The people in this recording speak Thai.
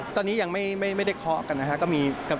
ตอนนี้ยังไม่ได้เคาะกันนะครับ